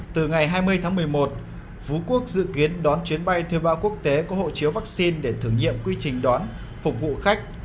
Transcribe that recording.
từ ngày hai mươi tháng một mươi một phú quốc dự kiến đón chuyến bay thứ ba quốc tế có hộ chiếu vaccine để thử nghiệm quy trình đón phục vụ khách